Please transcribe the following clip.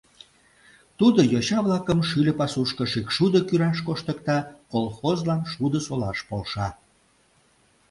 Тудо йоча-влакым шӱльӧ пасушко шӱкшудо кӱраш коштыкта, колхозлан шудо солаш полша.